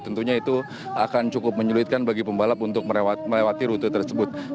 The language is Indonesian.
tentunya itu akan cukup menyulitkan bagi pembalap untuk melewati rute tersebut